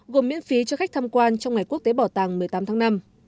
gồm miễn phí cho khách tham quan trong ngày quốc tế bảo tàng một mươi tám tháng năm